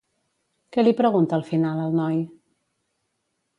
Què li pregunta al final el noi?